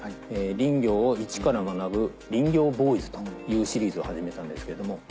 林業をイチから学ぶ「林業ボーイズ」というシリーズを始めたんですけれども。